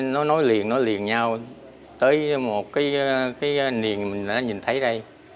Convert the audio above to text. nó nói liền nói liền nhau tới một cái niềng mình đã nhìn thấy đây